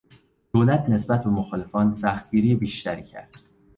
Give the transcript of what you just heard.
دولت نسبت به مخالفان سختگیری بیشتری کرد.